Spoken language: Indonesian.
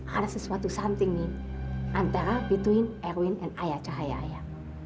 ada sesuatu something nih antara pituen erwin dan ayah cahaya